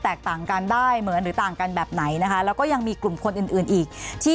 ต่างกันได้เหมือนหรือต่างกันแบบไหนนะคะแล้วก็ยังมีกลุ่มคนอื่นอื่นอีกที่